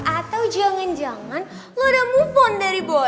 atau jangan jangan lo ada move on dari bola